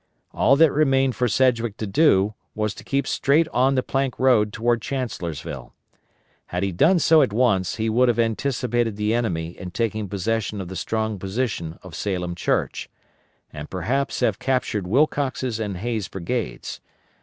All that remained for Sedgwick to do was to keep straight on the Plank Road toward Chancellorsville. Had he done so at once he would have anticipated the enemy in taking possession of the strong position of Salem Church, and perhaps have captured Wilcox's and Hays' brigades.